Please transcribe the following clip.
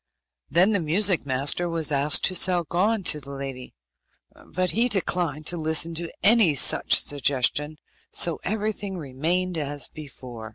Then the music master was asked to sell Gon to the lady, but he declined to listen to any such suggestion, so everything remained as before.